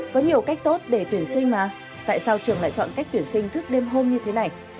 có nhiều cách tốt để tuyển sinh mà tại sao trường lại chọn cách tuyển sinh thức đêm hôm như thế này